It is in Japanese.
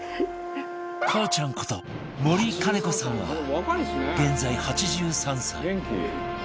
「かあちゃん」こと森カネ子さんは現在８３歳